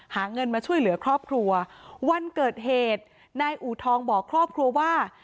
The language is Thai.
หาเงินมาช่วยเหลือครอบครัววันเกิดเหตุนายอูทองบอกครอบครัวว่า